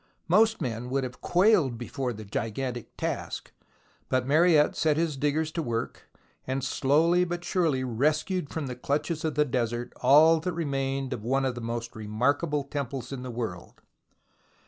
Most men would have quailed before the gigantic task, but Mariette set his diggers to work, and slowly but surely rescued from the clutches of the desert all that remained of one of the most remarkable temples in the world.